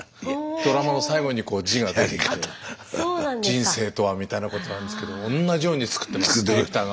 ドラマの最後に字が出る「人生とは」みたいなことなんですけど同じように作ってますディレクターが。